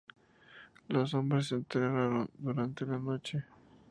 Los hombres se enterraron durante la noche.